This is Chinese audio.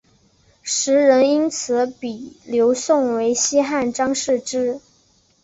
时人因此比刘颂为西汉张释之。